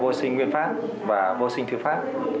vô sinh nguyên pháp và vô sinh thư pháp